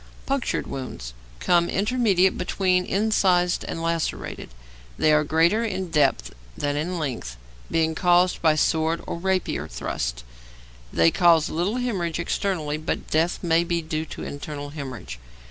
Punctured wounds come intermediate between incised and lacerated. They are greater in depth than in length, being caused by sword or rapier thrusts. They cause little hæmorrhage externally, but death may be due to internal hæmorrhage.